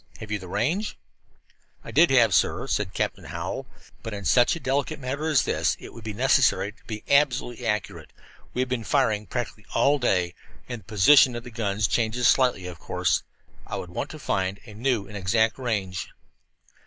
Have you the range?" "I did have, sir," said Captain Hallowell, "but in such a delicate matter as this it would be necessary to be absolutely accurate. We have been firing practically all day, and the position of the guns changes slightly, of course. I would want to find a new and exact range."